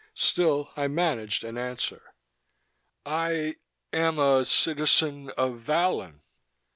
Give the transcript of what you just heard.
Still I managed an answer: "I ... am a ... citizen ... of Vallon."